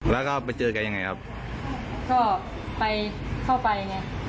แล้วก็ไปเจอกันยังไงครับก็ไปเข้าไปไง